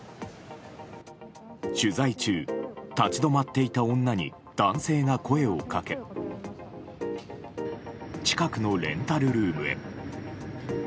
取材中、立ち止まっていた女に男性が声をかけ近くのレンタルルームへ。